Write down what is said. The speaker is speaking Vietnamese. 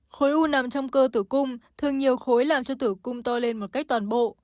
khối u nằm trong cơ tử cung thường nhiều khối làm cho tử cung to lên một cách toàn bộ